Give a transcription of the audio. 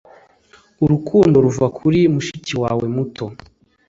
urukundo ruva kuri 'mushiki wawe muto